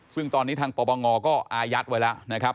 ซึ่งตอนนี้ทางปปงก็อายัดไว้แล้วนะครับ